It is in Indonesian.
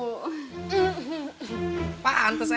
oh pantes enak